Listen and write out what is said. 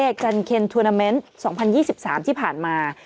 จันเคนทวนาเมนต์๒๐๒๓ที่ผ่านมา